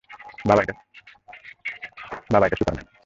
বাবা, এটা সুপারম্যান!